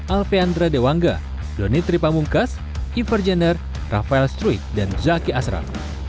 al fyandra dewanga donny tripamungkas iver jenner rafael struy dan zaki asrar